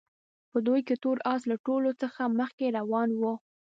په دوی کې تور اس له ټولو څخه مخکې روان وو.